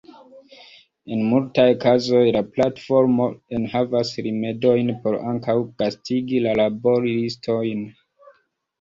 En multaj kazoj, la platformo enhavas rimedojn por ankaŭ gastigi la laboristojn.